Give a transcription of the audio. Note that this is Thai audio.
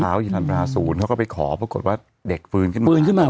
อยู่ทันเวลาศูนย์เขาก็ไปขอปรากฏว่าเด็กฟื้นขึ้นมาฟื้นขึ้นมา